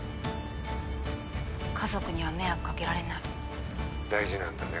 家族には迷惑かけられない☎大事なんだね